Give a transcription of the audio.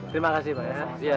terima kasih pak ya